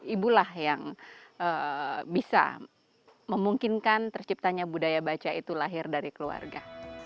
ibulah yang bisa memungkinkan terciptanya budaya baca itu lahir dari keluarga